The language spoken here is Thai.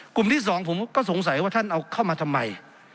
กลุ่มที่๒ผมก็สงสัยว่าท่านเอาเข้ามาทำไม